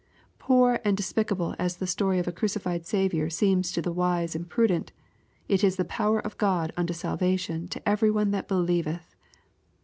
Poor and de spicable as the story of a crucified Saviour seems to the wise and prudent, it is the power of God unto salvation to every one that beJeveth.